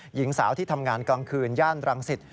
หญิงสาวที่ทำงานกลางคืนย่านรังสิต